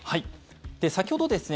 先ほどですね